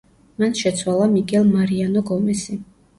მან შეცვალა მიგელ მარიანო გომესი.